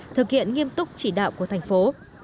thực hiện nghiêm túc chỉ đạo của thành phố